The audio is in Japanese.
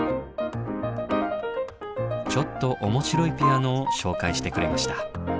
ちょっと面白いピアノを紹介してくれました。